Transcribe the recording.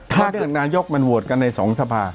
เพราะเรื่องนายกมันโหวตกันในสองสภาร